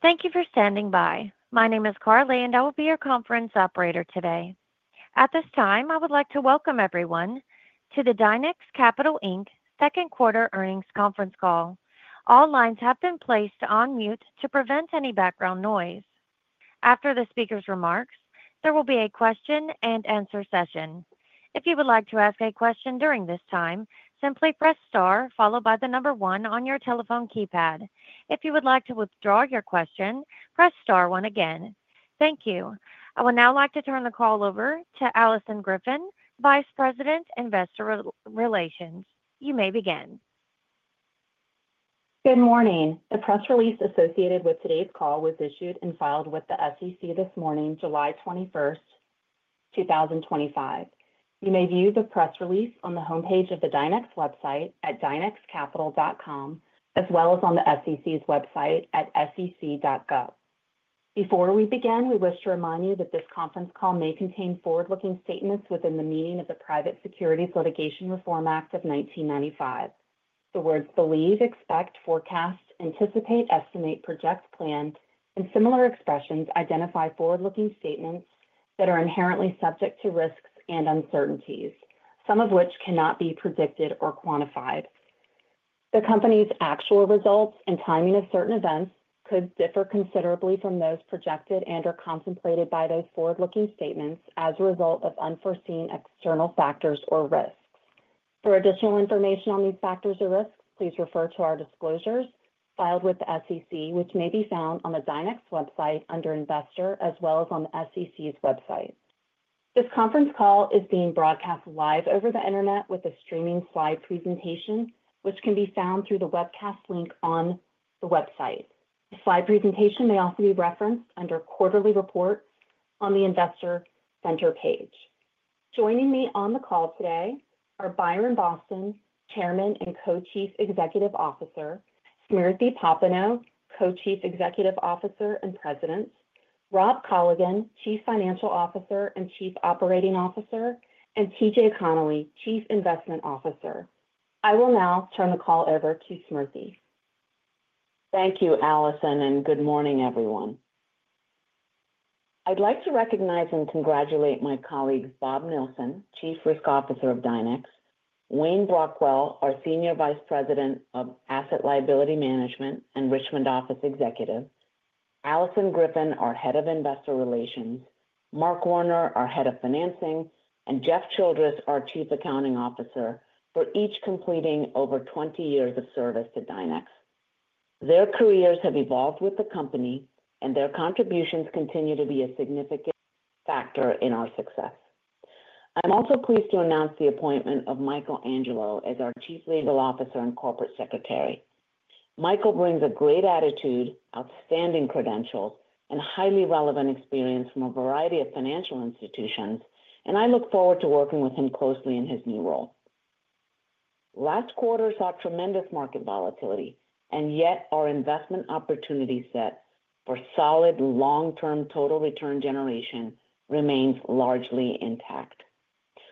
Thank you for standing by. My name is Carly and I will be your conference operator today. At this time, I would like to welcome everyone to the Dynex Capital, Inc. second quarter earnings conference call. All lines have been placed on mute to prevent any background noise. After the speakers' remarks, there will be a question and answer session. If you would like to ask a question during this time, simply press star followed by the number one on your telephone keypad. If you would like to withdraw your question, press star one again. Thank you. I would now like to turn the call over to Alison Griffin, Vice President, Investor Relations. You may begin. Good morning. The press release associated with today's call was issued and filed with the SEC this morning, July 21st, 2025. You may view the press release on the homepage of the Dynex Capital website at dynexcapital.com, as well as on the SEC's website at sec.gov. Before we begin, we wish to remind you that this conference call may contain forward-looking statements within the meaning of the Private Securities Litigation Reform Act of 1995. The words "believe," "expect," "forecast," "anticipate," "estimate," "project," "plan," and similar expressions identify forward-looking statements that are inherently subject to risks and uncertainties, some of which cannot be predicted or quantified. The company's actual results and timing of certain events could differ considerably from those projected and/or contemplated by those forward-looking statements as a result of unforeseen external factors or risks. For additional information on these factors or risks, please refer to our disclosures filed with the SEC, which may be found on the Dynex Capital website under Investor, as well as on the SEC's website. This conference call is being broadcast live over the internet with a streaming slide presentation, which can be found through the webcast link on the website. The slide presentation may also be referenced under Quarterly Report on the Investor Center page. Joining me on the call today are Byron Boston, Chairman and Co-Chief Executive Officer; Smriti Popenoe, Co-Chief Executive Officer and President; Rob Colligan, Chief Financial Officer and Chief Operating Officer; and T.J. Connelly, Chief Investment Officer. I will now turn the call over to Smriti. Thank you, Alison, and good morning, everyone. I'd like to recognize and congratulate my colleagues, Bob Nielsen, Chief Risk Officer of Dynex Capital, Wayne Brockwell, our Senior Vice President of Asset Liability Management and Richmond Office Executive, Alison Griffin, our Head of Investor Relations, Mark Warner, our Head of Financing, and Jeff Childress, our Chief Accounting Officer, for each completing over 20 years of service to Dynex Capital. Their careers have evolved with the company, and their contributions continue to be a significant factor in our success. I'm also pleased to announce the appointment of Michael Angelo as our Chief Legal Officer and Corporate Secretary. Michael brings a great attitude, outstanding credentials, and highly relevant experience from a variety of financial institutions, and I look forward to working with him closely in his new role. Last quarter saw tremendous market volatility, yet our investment opportunity set for solid long-term total return generation remains largely intact.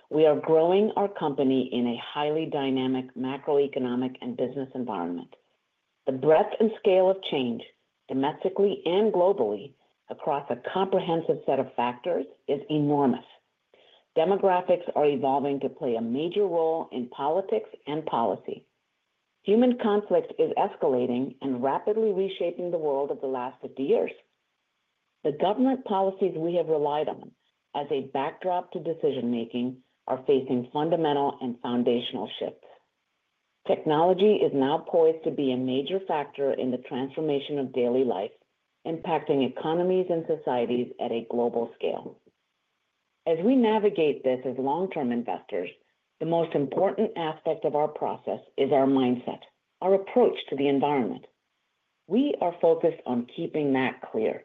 We are growing our company in a highly dynamic macroeconomic and business environment. The breadth and scale of change, domestically and globally, across a comprehensive set of factors is enormous. Demographics are evolving to play a major role in politics and policy. Human conflict is escalating and rapidly reshaping the world of the last 50 years. The government policies we have relied on as a backdrop to decision-making are facing fundamental and foundational shifts. Technology is now poised to be a major factor in the transformation of daily life, impacting economies and societies at a global scale. As we navigate this as long-term investors, the most important aspect of our process is our mindset, our approach to the environment. We are focused on keeping that clear,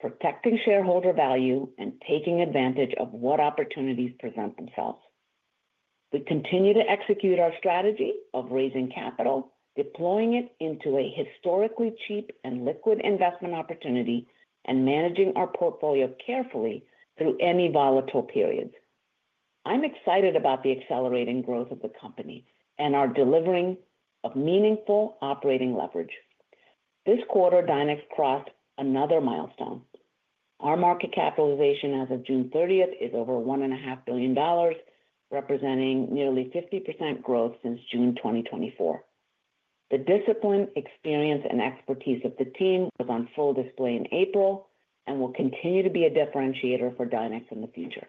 protecting shareholder value, and taking advantage of what opportunities present themselves. We continue to execute our strategy of raising capital, deploying it into a historically cheap and liquid investment opportunity, and managing our portfolio carefully through any volatile periods. I'm excited about the accelerating growth of the company and our delivering of meaningful operating leverage. This quarter, Dynex Capital crossed another milestone. Our market capitalization as of June 30th is over $1.5 billion, representing nearly 50% growth since June 2024. The discipline, experience, and expertise of the team was on full display in April and will continue to be a differentiator for Dynex Capital in the future.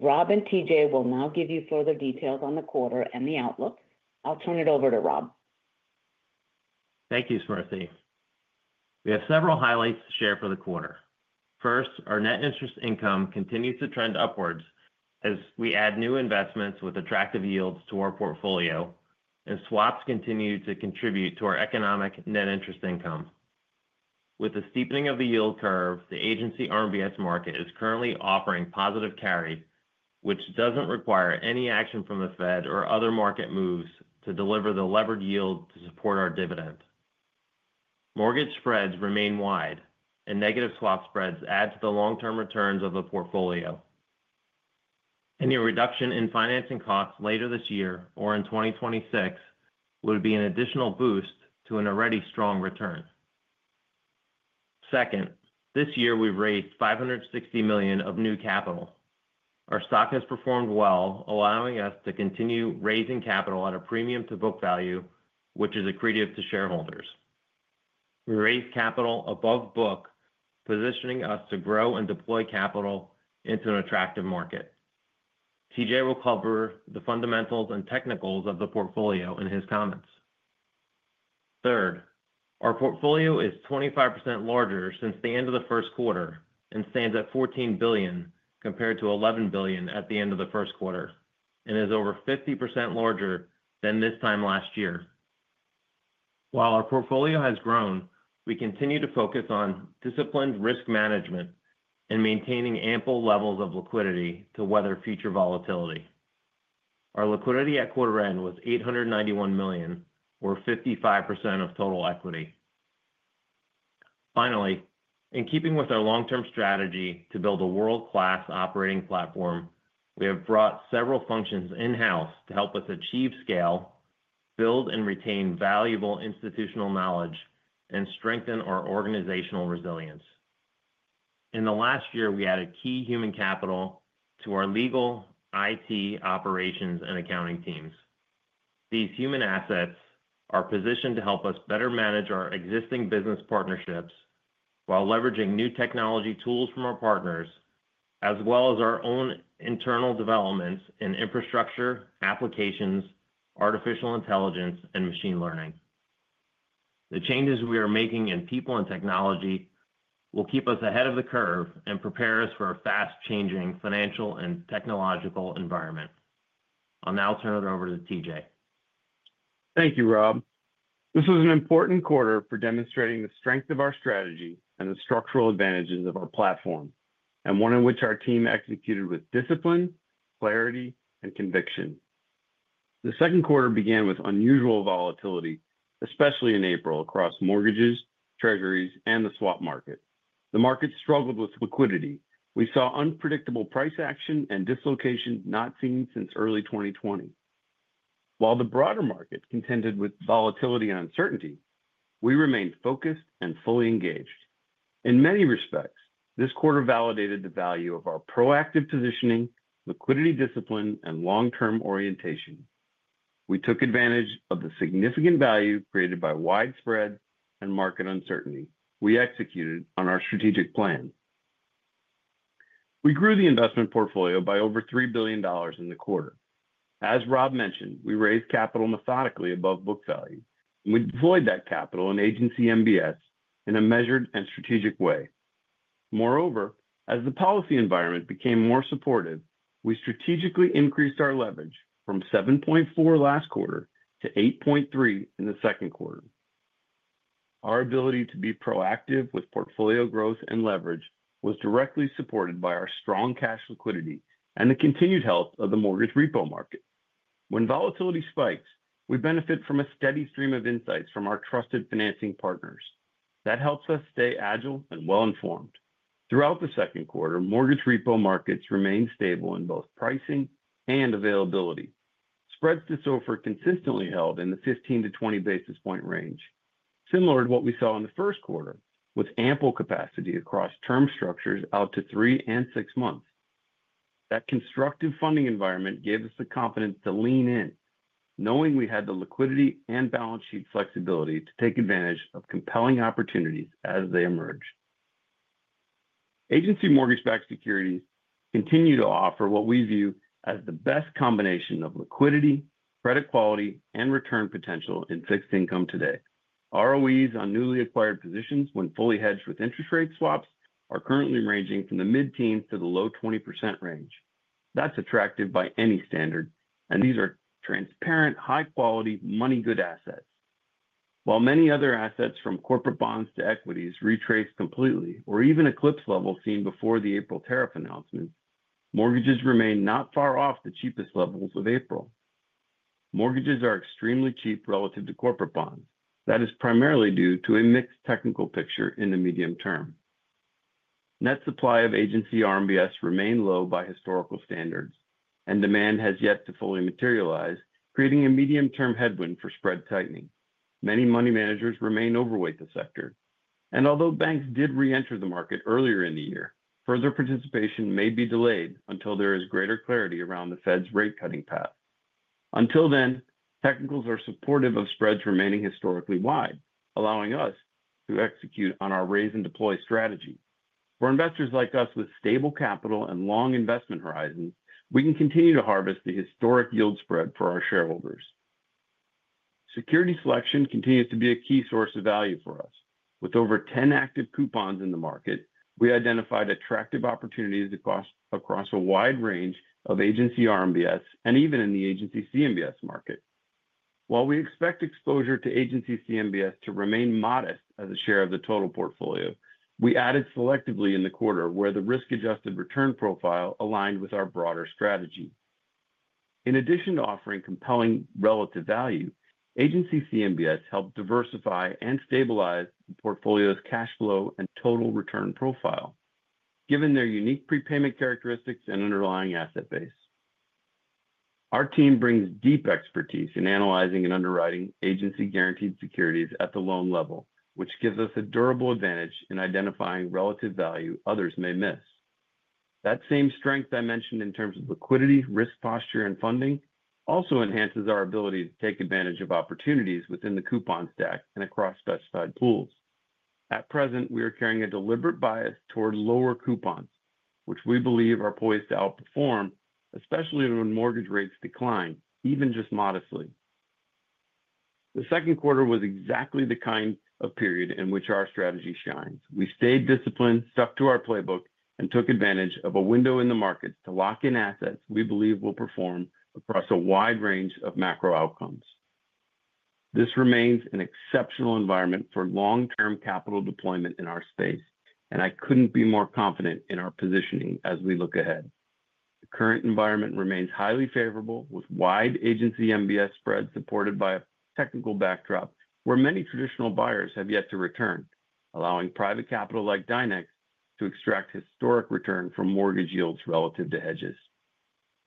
Rob and T.J. will now give you further details on the quarter and the outlook. I'll turn it over to Rob. Thank you, Smriti. We have several highlights to share for the quarter. First, our net interest income continues to trend upwards as we add new investments with attractive yields to our portfolio, and swaps continue to contribute to our economic net interest income. With the steepening of the yield curve, the Agency MBS market is currently offering positive carry, which doesn't require any action from the Fed or other market moves to deliver the levered yield to support our dividend. Mortgage spreads remain wide, and negative swap spreads add to the long-term returns of the portfolio. Any reduction in financing costs later this year or in 2026 would be an additional boost to an already strong return. Second, this year we've raised $560 million of new capital. Our stock has performed well, allowing us to continue raising capital at a premium to book value, which is accretive to shareholders. We raised capital above book, positioning us to grow and deploy capital into an attractive market. T.J. will cover the fundamentals and technicals of the portfolio in his comments. Third, our portfolio is 25% larger since the end of the first quarter and stands at $14 billion compared to $11 billion at the end of the first quarter and is over 50% larger than this time last year. While our portfolio has grown, we continue to focus on disciplined risk management and maintaining ample levels of liquidity to weather future volatility. Our liquidity at quarter end was $891 million, or 55% of total equity. Finally, in keeping with our long-term strategy to build a world-class operating platform, we have brought several functions in-house to help us achieve scale, build and retain valuable institutional knowledge, and strengthen our organizational resilience. In the last year, we added key human capital to our legal, IT, operations, and accounting teams. These human assets are positioned to help us better manage our existing business partnerships while leveraging new technology tools from our partners, as well as our own internal developments in infrastructure, applications, artificial intelligence, and machine learning. The changes we are making in people and technology will keep us ahead of the curve and prepare us for a fast-changing financial and technological environment. I'll now turn it over to T.J. Thank you, Rob. This was an important quarter for demonstrating the strength of our strategy and the structural advantages of our platform, and one in which our team executed with discipline, clarity, and conviction. The second quarter began with unusual volatility, especially in April across mortgages, treasuries, and the swap market. The market struggled with liquidity. We saw unpredictable price action and dislocations not seen since early 2020. While the broader market contended with volatility and uncertainty, we remained focused and fully engaged. In many respects, this quarter validated the value of our proactive positioning, liquidity discipline, and long-term orientation. We took advantage of the significant value created by wide spreads and market uncertainty. We executed on our strategic plan. We grew the investment portfolio by over $3 billion in the quarter. As Rob mentioned, we raised capital methodically above book value, and we deployed that capital in Agency MBS in a measured and strategic way. Moreover, as the policy environment became more supportive, we strategically increased our leverage from 7.4 last quarter to 8.3 in the second quarter. Our ability to be proactive with portfolio growth and leverage was directly supported by our strong cash liquidity and the continued health of the mortgage repo market. When volatility spikes, we benefit from a steady stream of insights from our trusted financing partners. That helps us stay agile and well-informed. Throughout the second quarter, mortgage repo markets remained stable in both pricing and availability. Spreads to SOFR consistently held in the 15-20 basis point range, similar to what we saw in the first quarter, with ample capacity across term structures out to three and six months. That constructive funding environment gave us the confidence to lean in, knowing we had the liquidity and balance sheet flexibility to take advantage of compelling opportunities as they emerge. Agency mortgage-backed securities continue to offer what we view as the best combination of liquidity, credit quality, and return potential in fixed income today. ROEs on newly acquired positions, when fully hedged with interest rate swaps, are currently ranging from the mid-teens to the low 20% range. That's attractive by any standard, and these are transparent, high-quality money-good assets. While many other assets, from corporate bonds to equities, retrace completely or even eclipse levels seen before the April tariff announcement, mortgages remain not far off the cheapest levels of April. Mortgages are extremely cheap relative to corporate bonds. That is primarily due to a mixed technical picture in the medium term. Net supply of Agency RMBS remains low by historical standards, and demand has yet to fully materialize, creating a medium-term headwind for spread tightening. Many money managers remain overweight the sector, and although banks did re-enter the market earlier in the year, further participation may be delayed until there is greater clarity around the Fed's rate-cutting path. Until then, technicals are supportive of spreads remaining historically wide, allowing us to execute on our raise and deploy strategy. For investors like us with stable capital and long investment horizons, we can continue to harvest the historic yield spread for our shareholders. Security selection continues to be a key source of value for us. With over 10 active coupons in the market, we identified attractive opportunities across a wide range of Agency RMBS and even in the Agency CMBS market. While we expect exposure to Agency CMBS to remain modest as a share of the total portfolio, we added selectively in the quarter where the risk-adjusted return profile aligned with our broader strategy. In addition to offering compelling relative value, Agency CMBS helped diversify and stabilize the portfolio's cash flow and total return profile, given their unique prepayment characteristics and underlying asset base. Our team brings deep expertise in analyzing and underwriting agency guaranteed securities at the loan level, which gives us a durable advantage in identifying relative value others may miss. That same strength I mentioned in terms of liquidity, risk posture, and funding also enhances our ability to take advantage of opportunities within the coupon stack and across specified pools. At present, we are carrying a deliberate bias toward lower coupons, which we believe are poised to outperform, especially when mortgage rates decline, even just modestly. The second quarter was exactly the kind of period in which our strategy shines. We stayed disciplined, stuck to our playbook, and took advantage of a window in the market to lock in assets we believe will perform across a wide range of macro outcomes. This remains an exceptional environment for long-term capital deployment in our space, and I couldn't be more confident in our positioning as we look ahead. The current environment remains highly favorable, with wide Agency MBS spreads supported by a technical backdrop where many traditional buyers have yet to return, allowing private capital like Dynex Capital to extract historic return from mortgage yields relative to hedges.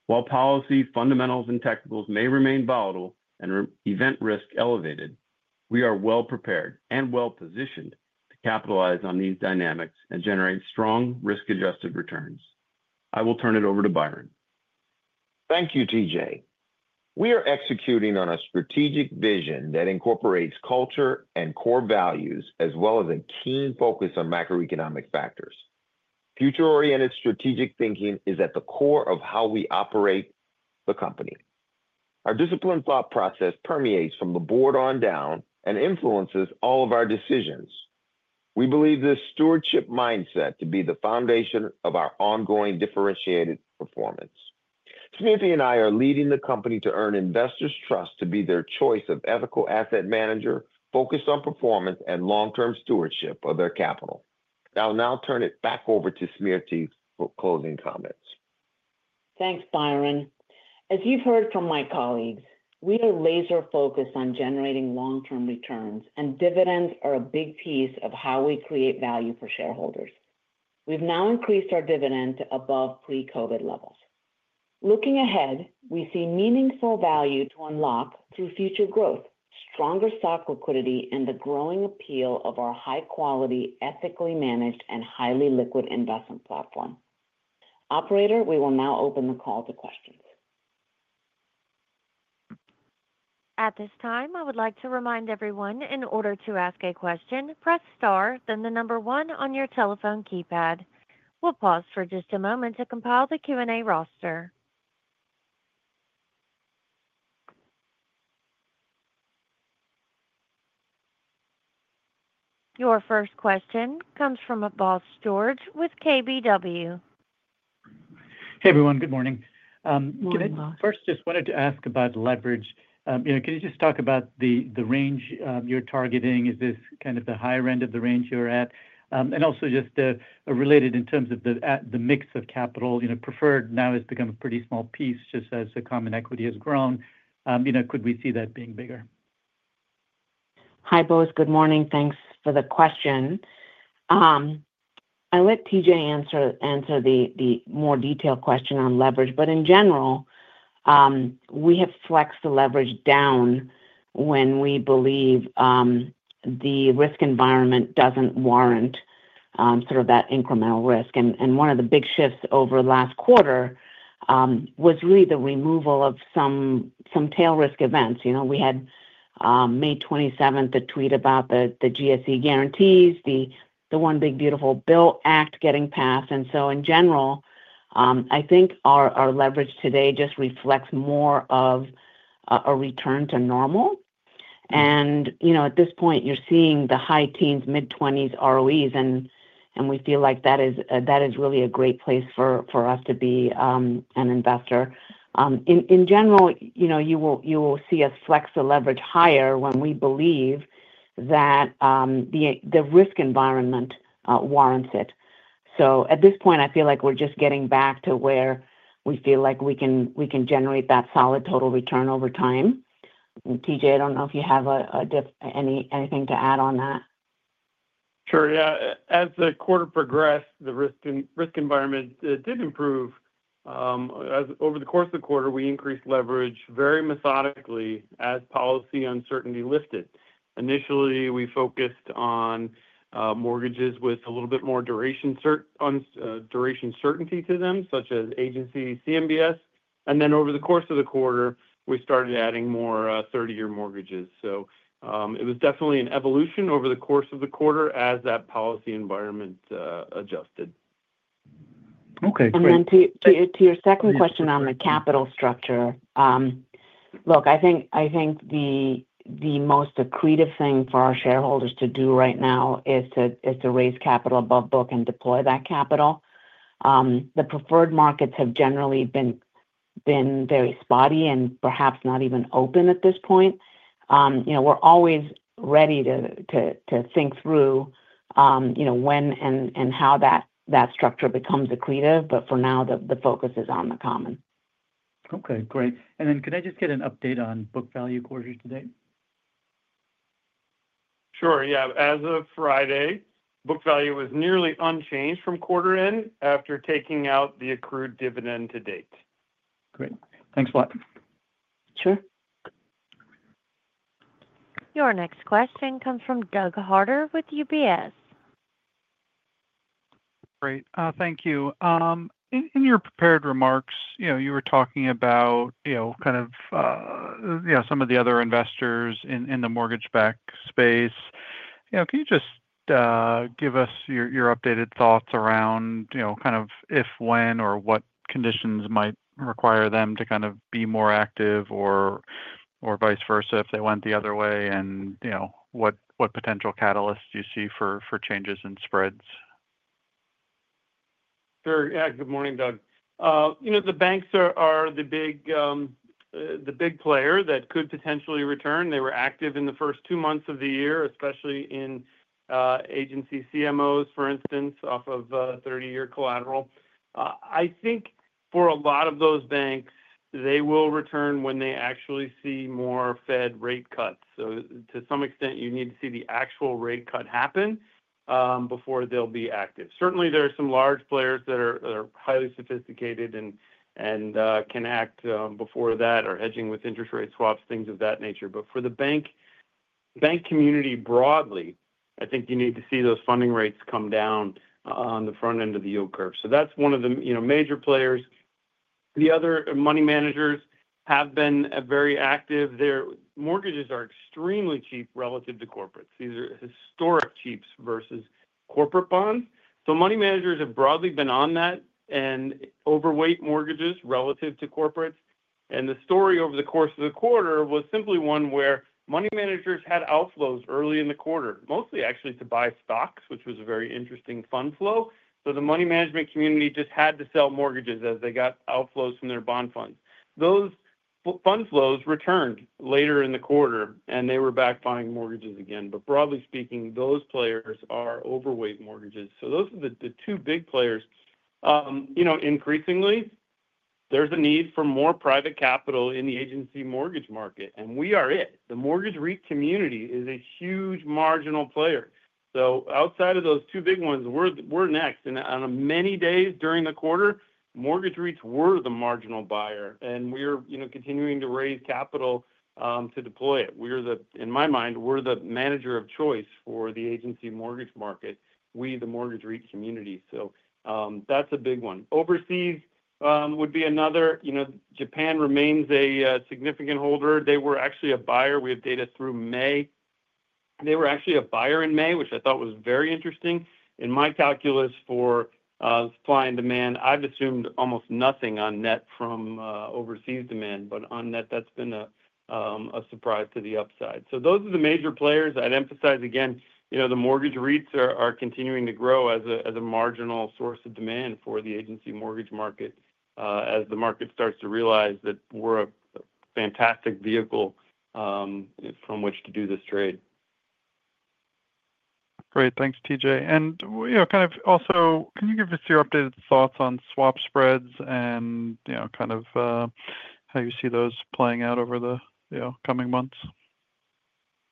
While policy, fundamentals, and technicals may remain volatile and event risk elevated, we are well prepared and well positioned to capitalize on these dynamics and generate strong risk-adjusted returns. I will turn it over to Byron. Thank you, T.J. We are executing on a strategic vision that incorporates culture and core values, as well as a keen focus on macroeconomic factors. Future-oriented strategic thinking is at the core of how we operate the company. Our disciplined thought process permeates from the Board on down and influences all of our decisions. We believe this stewardship mindset to be the foundation of our ongoing differentiated performance. Smriti and I are leading the company to earn investors' trust to be their choice of ethical asset manager focused on performance and long-term stewardship of their capital. I'll now turn it back over to Smriti for closing comments. Thanks, Byron. As you've heard from my colleagues, we are laser-focused on generating long-term returns, and dividends are a big piece of how we create value for shareholders. We've now increased our dividend to above pre-COVID levels. Looking ahead, we see meaningful value to unlock through future growth, stronger stock liquidity, and the growing appeal of our high-quality, ethically managed, and highly liquid investment platform. Operator, we will now open the call to questions. At this time, I would like to remind everyone, in order to ask a question, press star, then the number one on your telephone keypad. We'll pause for just a moment to compile the Q&A roster. Your first question comes from Bose George with KBW. Hey, everyone. Good morning. Good morning. First, I just wanted to ask about leverage. Can you just talk about the range you're targeting? Is this kind of the higher end of the range you're at? Also, just related in terms of the mix of capital, preferred now has become a pretty small piece just as the common equity has grown. Could we see that being bigger? Hi, both. Good morning. Thanks for the question. I'll let T.J. answer the more detailed question on leverage. In general, we have flexed the leverage down when we believe the risk environment doesn't warrant sort of that incremental risk. One of the big shifts over the last quarter was really the removal of some tail risk events. We had May 27, a tweet about the GSE guarantees, the One Big Beautiful Bill Act getting passed. In general, I think our leverage today just reflects more of a return to normal. At this point, you're seeing the high teens, mid-20s ROEs, and we feel like that is really a great place for us to be an investor. In general, you will see us flex the leverage higher when we believe that the risk environment warrants it. At this point, I feel like we're just getting back to where we feel like we can generate that solid total return over time. T.J., I don't know if you have anything to add on that. Sure. Yeah. As the quarter progressed, the risk environment did improve. Over the course of the quarter, we increased leverage very methodically as policy uncertainty lifted. Initially, we focused on mortgages with a little bit more duration certainty to them, such as Agency CMBS. Over the course of the quarter, we started adding more 30-year mortgages. It was definitely an evolution over the course of the quarter as that policy environment adjusted. Okay. To your second question on the capital structure, I think the most accretive thing for our shareholders to do right now is to raise capital above book and deploy that capital. The preferred markets have generally been very spotty and perhaps not even open at this point. We're always ready to think through when and how that structure becomes accretive. For now, the focus is on the common. Great. Can I just get an update on book value quarter to date? Sure. Yeah. As of Friday, book value was nearly unchanged from quarter end after taking out the accrued dividend to date. Great, thanks a lot. Sure. Your next question comes from Doug Harter with UBS. Great. Thank you. In your prepared remarks, you were talking about some of the other investors in the mortgage-backed space. Can you just give us your updated thoughts around if, when, or what conditions might require them to be more active or vice versa if they went the other way? What potential catalysts do you see for changes in spreads? Sure. Yeah. Good morning, Doug. The banks are the big player that could potentially return. They were active in the first two months of the year, especially in Agency CMOs, for instance, off of 30-year collateral. I think for a lot of those banks, they will return when they actually see more Fed rate cuts. To some extent, you need to see the actual rate cut happen before they'll be active. Certainly, there are some large players that are highly sophisticated and can act before that or hedging with interest rate swaps, things of that nature. For the bank community broadly, I think you need to see those funding rates come down on the front end of the yield curve. That's one of the major players. The other money managers have been very active. Their mortgages are extremely cheap relative to corporates. These are historic cheaps versus corporate bonds. Money managers have broadly been on that and overweight mortgages relative to corporates. The story over the course of the quarter was simply one where money managers had outflows early in the quarter, mostly actually to buy stocks, which was a very interesting fund flow. The money management community just had to sell mortgages as they got outflows from their bond funds. Those fund flows returned later in the quarter, and they were back buying mortgages again. Broadly speaking, those players are overweight mortgages. Those are the two big players. Increasingly, there's a need for more private capital in the agency mortgage market, and we are it. The mortgage REIT community is a huge marginal player. Outside of those two big ones, we're next. On many days during the quarter, mortgage REITs were the marginal buyer, and we are continuing to raise capital to deploy it. In my mind, we're the manager of choice for the agency mortgage market, we, the mortgage REIT community. That's a big one. Overseas would be another. Japan remains a significant holder. They were actually a buyer. We have data through May. They were actually a buyer in May, which I thought was very interesting. In my calculus for supply and demand, I've assumed almost nothing on net from overseas demand. On net, that's been a surprise to the upside. Those are the major players. I'd emphasize again, the mortgage REITs are continuing to grow as a marginal source of demand for the agency mortgage market as the market starts to realize that we're a fantastic vehicle from which to do this trade. Great. Thanks, T.J. Can you give us your updated thoughts on swap spreads and how you see those playing out over the coming months?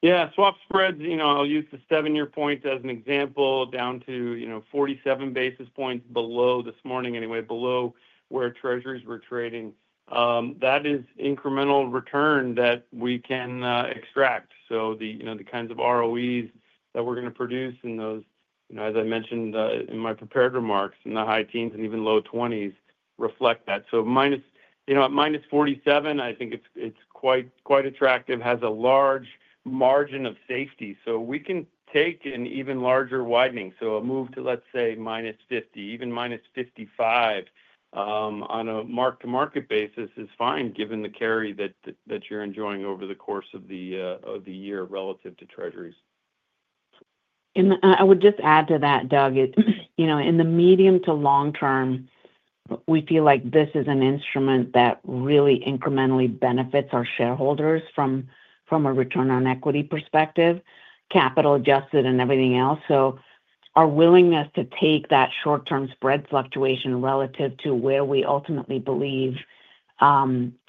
Yeah. Swap spreads, you know, I'll use the seven-year points as an example, down to 47 basis points below this morning anyway, below where Treasuries were trading. That is incremental return that we can extract. The kinds of ROEs that we're going to produce in those, as I mentioned in my prepared remarks, in the high teens and even low 20s reflect that. At -47, I think it's quite attractive, has a large margin of safety. We can take an even larger widening. A move to, let's say, -50, even -55 on a mark-to-market basis is fine given the carry that you're enjoying over the course of the year relative to Treasuries. I would just add to that, Doug, you know, in the medium to long term, we feel like this is an instrument that really incrementally benefits our shareholders from a return on equity perspective, capital adjusted and everything else. Our willingness to take that short-term spread fluctuation relative to where we ultimately believe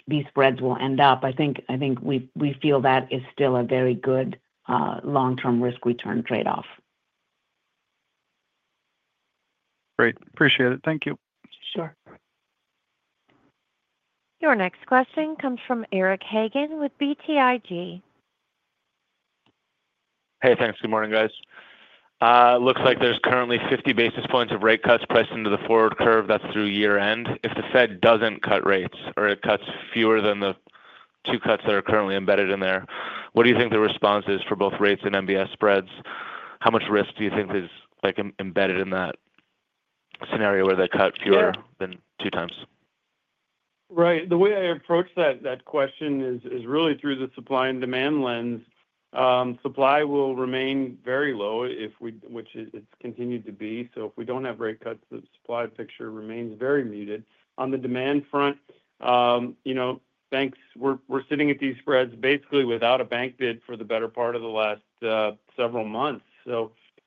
these spreads will end up, I think we feel that is still a very good long-term risk return trade-off. Great. Appreciate it. Thank you. Sure. Your next question comes from Eric Hagen with BTIG. Hey, thanks. Good morning, guys. Looks like there's currently 50 bps of rate cuts priced into the forward curve that's through year-end. If the Fed doesn't cut rates or it cuts fewer than the two cuts that are currently embedded in there, what do you think the response is for both rates and Agency MBS spreads? How much risk do you think is embedded in that scenario where they cut fewer than two times? Right. The way I approach that question is really through the supply and demand lens. Supply will remain very low, which it's continued to be. If we don't have rate cuts, the supply picture remains very muted. On the demand front, we're sitting at these spreads basically without a bank bid for the better part of the last several months.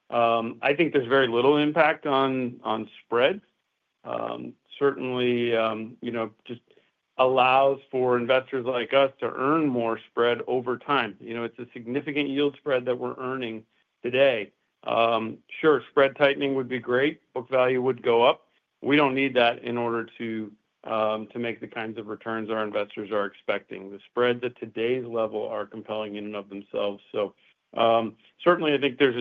I think there's very little impact on spreads. Certainly, it just allows for investors like us to earn more spread over time. It's a significant yield spread that we're earning today. Sure, spread tightening would be great. Book value would go up. We don't need that in order to make the kinds of returns our investors are expecting. The spreads at today's level are compelling in and of themselves. I think there's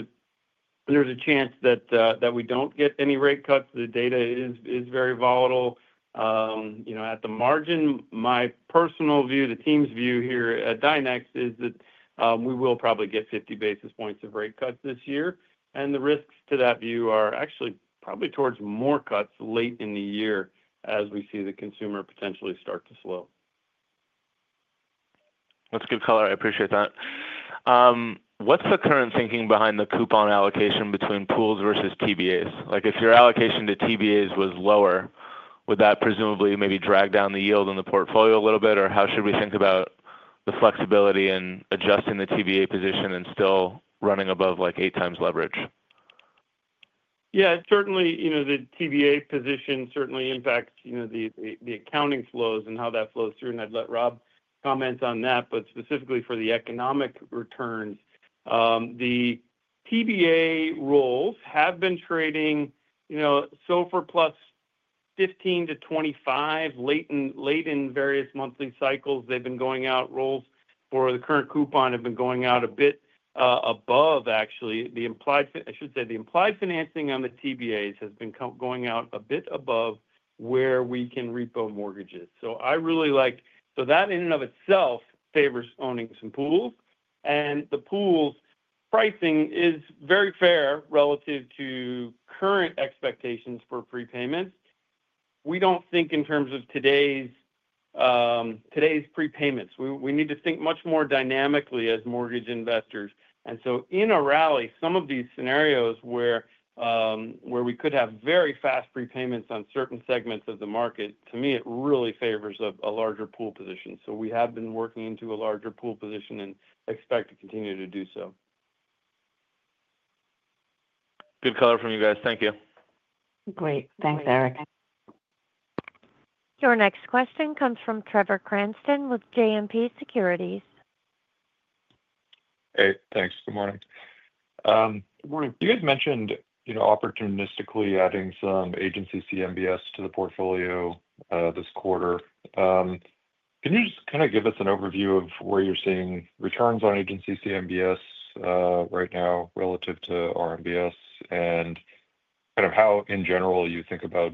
a chance that we don't get any rate cuts. The data is very volatile. At the margin, my personal view, the team's view here at Dynex Capital, is that we will probably get 50 basis points of rate cuts this year. The risks to that view are actually probably towards more cuts late in the year as we see the consumer potentially start to slow. That's a good color. I appreciate that. What's the current thinking behind the coupon allocation between pools versus TBAs? If your allocation to TBAs was lower, would that presumably maybe drag down the yield in the portfolio a little bit? How should we think about the flexibility in adjusting the TBA position and still running above like eight times leverage? Yeah. Certainly, you know, the TBA position certainly impacts the accounting flows and how that flows through. I'd let Rob comment on that. Specifically for the economic returns, the TBA rolls have been trading, you know, so for plus 15 to 25 late in various monthly cycles, they've been going out. Rolls for the current coupon have been going out a bit above, actually. The implied, I should say the implied financing on the TBAs has been going out a bit above where we can repo mortgages. I really like that in and of itself favors owning some pools. The pools' pricing is very fair relative to current expectations for prepayments. We don't think in terms of today's prepayments. We need to think much more dynamically as mortgage investors. In a rally, some of these scenarios where we could have very fast prepayments on certain segments of the market, to me, it really favors a larger pool position. We have been working into a larger pool position and expect to continue to do so. Good color from you guys. Thank you. Great. Thanks, Eric. Your next question comes from Trevor Cranston with Citizens JMP Securities. Hey, thanks. Good morning. You had mentioned, you know, opportunistically adding some Agency CMBS to the portfolio this quarter. Can you just kind of give us an overview of where you're seeing returns on Agency CMBS right now relative to RMBS and kind of how in general you think about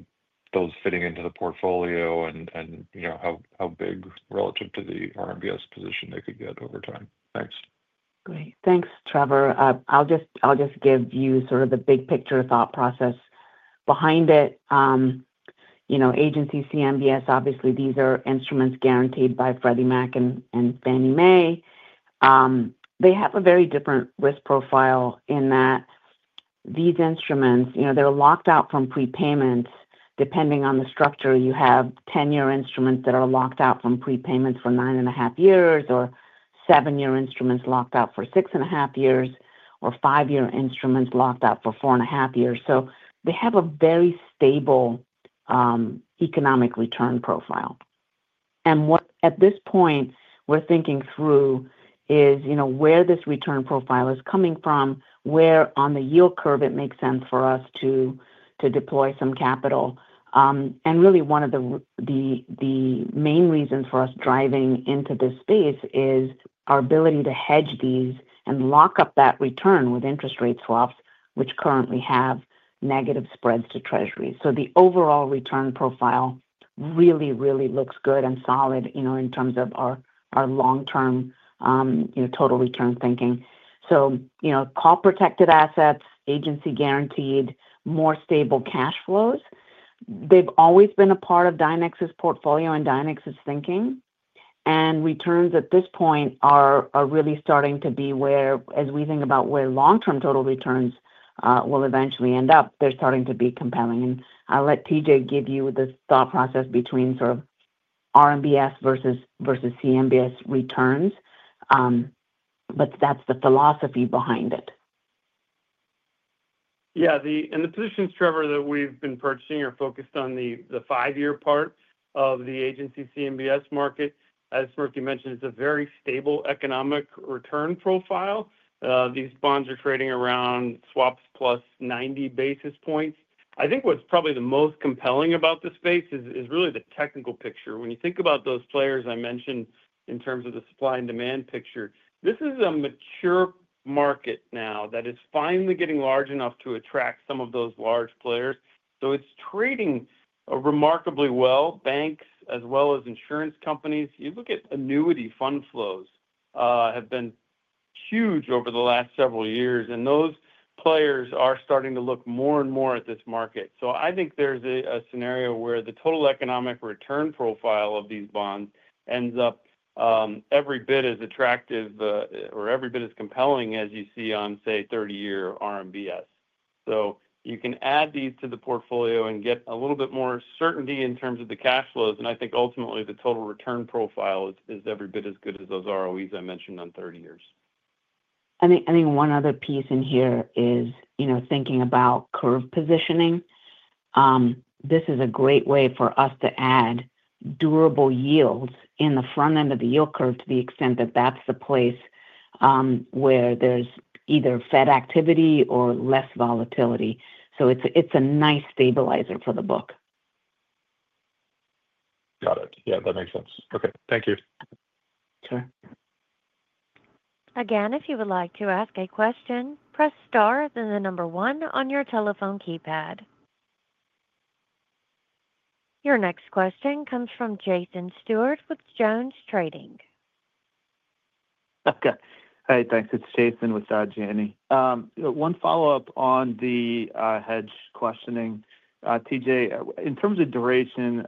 those fitting into the portfolio and, you know, how big relative to the RMBS position they could get over time? Thanks. Great. Thanks, Trevor. I'll just give you sort of the big picture thought process behind it. You know, Agency CMBS, obviously, these are instruments guaranteed by Freddie Mac and Fannie Mae. They have a very different risk profile in that these instruments, you know, they're locked out from prepayments. Depending on the structure, you have 10-year instruments that are locked out from prepayments for nine and a half years, or seven-year instruments locked out for six and a half years, or five-year instruments locked out for four and a half years. They have a very stable economic return profile. At this point we're thinking through where this return profile is coming from, where on the yield curve it makes sense for us to deploy some capital. Really, one of the main reasons for us driving into this space is our ability to hedge these and lock up that return with interest rate swaps, which currently have negative spreads to Treasuries. The overall return profile really, really looks good and solid in terms of our long-term total return thinking. Cost-protected assets, agency guaranteed, more stable cash flows, they've always been a part of Dynex Capital's portfolio and Dynex Capital's thinking. Returns at this point are really starting to be where, as we think about where long-term total returns will eventually end up, they're starting to be compelling. I'll let T.J. give you the thought process between sort of RMBS versus CMBS returns. That's the philosophy behind it. Yeah. The positions, Trevor, that we've been purchasing are focused on the five-year part of the Agency CMBS market. As Smriti mentioned, it's a very stable economic return profile. These bonds are trading around swaps plus 90 basis points. I think what's probably the most compelling about the space is really the technical picture. When you think about those players I mentioned in terms of the supply and demand picture, this is a mature market now that is finally getting large enough to attract some of those large players. It's trading remarkably well. Banks, as well as insurance companies, you look at annuity fund flows, have been huge over the last several years. Those players are starting to look more and more at this market. I think there's a scenario where the total economic return profile of these bonds ends up every bit as attractive or every bit as compelling as you see on, say, 30-year Agency RMBS. You can add these to the portfolio and get a little bit more certainty in terms of the cash flows. I think ultimately, the total return profile is every bit as good as those ROEs I mentioned on 30 years. I think one other piece in here is thinking about curve positioning. This is a great way for us to add durable yields in the front end of the yield curve to the extent that that's the place where there's either Fed activity or less volatility. It's a nice stabilizer for the book. Got it. Yeah, that makes sense. Okay, thank you. Sure. Again, if you would like to ask a question, press star then the number one on your telephone keypad. Your next question comes from Jason Stewart with Jones Trading. Okay. Thanks. It's Jason with Janney. One follow-up on the hedge questioning. T.J., in terms of duration,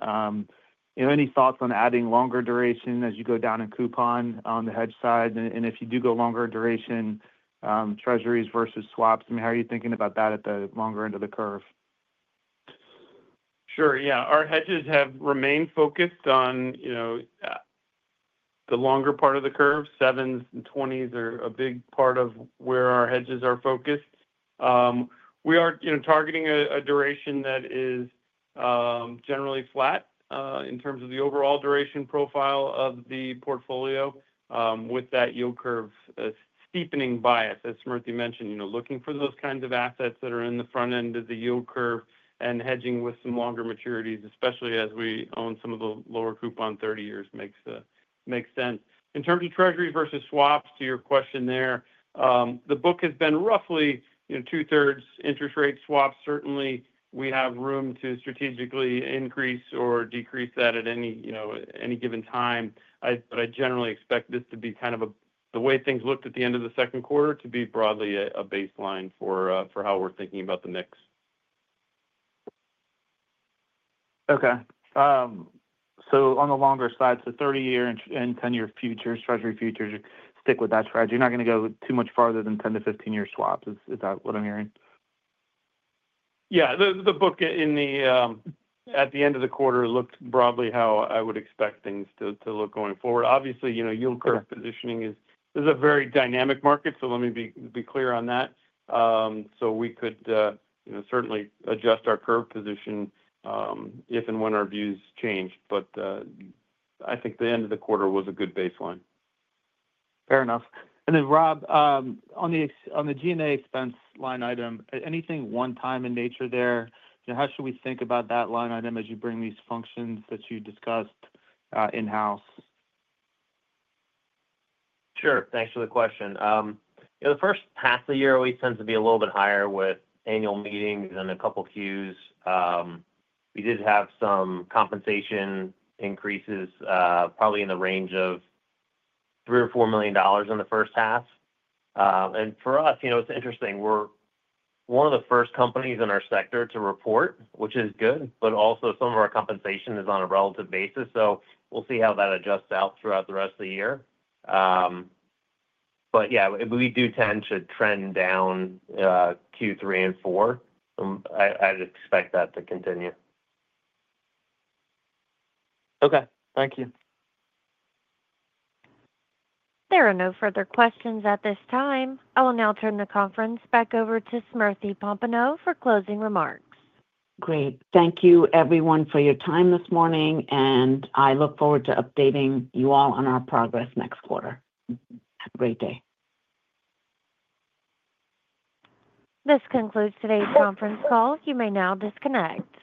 any thoughts on adding longer duration as you go down in coupon on the hedge side? If you do go longer duration, treasuries versus swaps, how are you thinking about that at the longer end of the curve? Sure. Yeah. Our hedges have remained focused on the longer part of the curve. 7s and 20s are a big part of where our hedges are focused. We are targeting a duration that is generally flat in terms of the overall duration profile of the portfolio, with that yield curve steepening bias, as Smriti mentioned, you know, looking for those kinds of assets that are in the front end of the yield curve and hedging with some longer maturities, especially as we own some of the lower coupon 30 years, makes sense. In terms of treasuries versus swaps, to your question there, the book has been roughly two-thirds interest rate swaps. Certainly, we have room to strategically increase or decrease that at any given time. I generally expect this to be kind of the way things looked at the end of the second quarter to be broadly a baseline for how we're thinking about the mix. Okay. On the longer side, 30-year and 10-year futures, Treasury futures, stick with that strategy. You're not going to go too much farther than 10 to 15-year swaps. Is that what I'm hearing? Yeah. The book at the end of the quarter looked broadly how I would expect things to look going forward. Obviously, you know, yield curve positioning is a very dynamic market. Let me be clear on that. We could certainly adjust our curve position if and when our views change. I think the end of the quarter was a good baseline. Fair enough. Rob, on the G&A expense line item, anything one-time in nature there? How should we think about that line item as you bring these functions that you discussed in-house? Sure. Thanks for the question. You know, the first half of the year always tends to be a little bit higher with annual meetings and a couple of queues. We did have some compensation increases, probably in the range of $3 million or $4 million in the first half. For us, you know, it's interesting. We're one of the first companies in our sector to report, which is good, but also some of our compensation is on a relative basis. We'll see how that adjusts out throughout the rest of the year. We do tend to trend down Q3 and Q4. I'd expect that to continue. Okay, thank you. There are no further questions at this time. I will now turn the conference back over to Smriti Popenoe for closing remarks. Great. Thank you, everyone, for your time this morning. I look forward to updating you all on our progress next quarter. Have a great day. This concludes today's conference call. You may now disconnect.